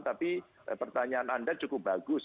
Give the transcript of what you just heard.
tapi pertanyaan anda cukup bagus